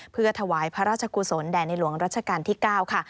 เพื่อถวายพระราชกุศลแด่ในหลวงรัชกาลที่๙ค่ะ